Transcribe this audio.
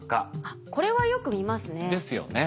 あっこれはよく見ますね。ですよね。